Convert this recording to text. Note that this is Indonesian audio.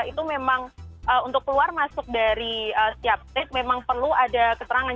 itu memang untuk keluar masuk dari setiap state memang perlu ada keterangan